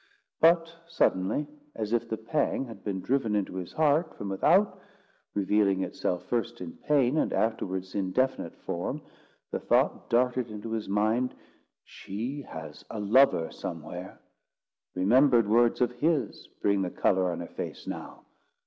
But, suddenly, as if the pang had been driven into his heart from without, revealing itself first in pain, and afterwards in definite form, the thought darted into his mind, "She has a lover somewhere. Remembered words of his bring the colour on her face now.